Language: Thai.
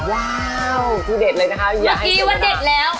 ว้าวที่เด็ดเลยนะคะเมื่อกี้ว่าเด็ดแล้ว